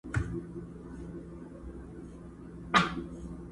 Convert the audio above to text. دا عادت یې ټول حرم ته معما وه!